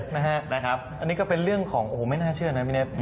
อันนี้ก็เป็นเรื่องของโอ้โหไม่น่าเชื่อนะพี่เน็ต